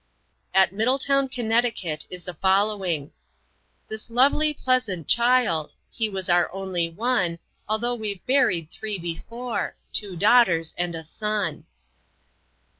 At Middletown, Connecticut, is the following: "This lovely, pleasant child He was our only one, Altho' we've buried three before Two daughters and a son."